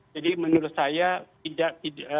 jadi menurut saya tidak